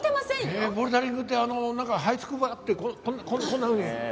えっボルダリングってあのなんかはいつくばってこんなふうにねえ。